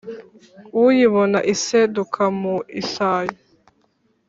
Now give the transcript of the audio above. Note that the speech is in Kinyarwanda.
Uyibona iseduka mu isayo